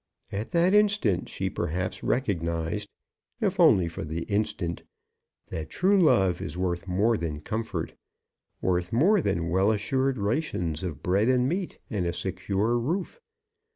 At that instant she perhaps recognized, if only for the instant, that true love is worth more than comfort, worth more than well assured rations of bread and meat, and a secure roof.